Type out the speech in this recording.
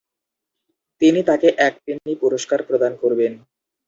তিনি তাকে এক পেনি পুরস্কার প্রদান করবেন।